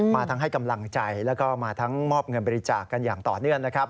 มาทั้งให้กำลังใจแล้วก็มาทั้งมอบเงินบริจาคกันอย่างต่อเนื่องนะครับ